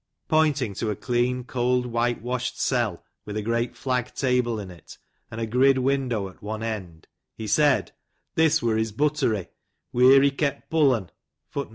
Pointing to a clean, cold, whitewashed cell, with a great flag table in it, and a grid window at one end, he said ' this wur his buttery, wheer he kept pullen,* an Putten.